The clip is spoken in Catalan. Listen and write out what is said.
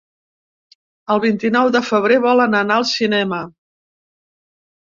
El vint-i-nou de febrer volen anar al cinema.